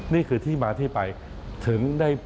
นี่คือที่มาที่ไปถึงได้ทุกอย่างมาก